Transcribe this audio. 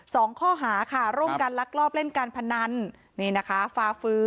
สองข้อหาค่ะร่วมกันลักลอบเล่นการพนันนี่นะคะฟาฟื้อ